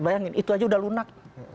bayangin itu aja udah lunak